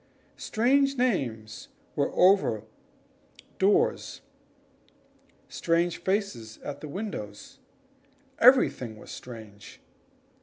Strange names were over the doors strange faces at the windows everything was strange.